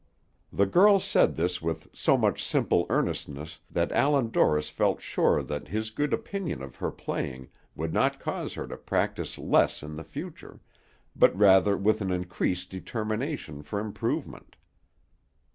The girl said this with so much simple earnestness that Allan Dorris felt sure that his good opinion of her playing would not cause her to practise less in the future, but rather with an increased determination for improvement.